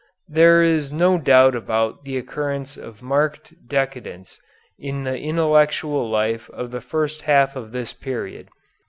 There is no doubt about the occurrence of marked decadence in the intellectual life of the first half of this period.